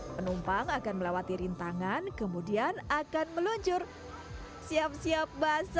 penumpang akan melawat tirintangan kemudian akan meluncur siap siap basah ya